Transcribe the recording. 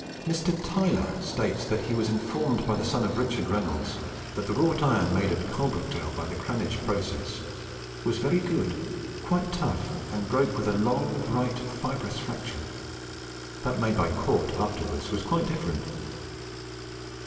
Mr. Tylor states that he was informed by the son of Richard Reynolds that the wrought iron made at Coalbrookdale by the Cranege process "was very good, quite tough, and broke with a long, bright, fibrous fracture: that made by Cort afterwards was quite different."